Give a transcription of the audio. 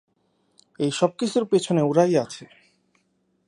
এই সবকিছুর পেছনে ওরাই আছে!